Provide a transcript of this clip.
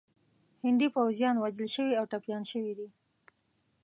هندي پوځیان وژل شوي او ټپیان شوي دي.